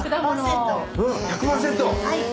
１００％⁉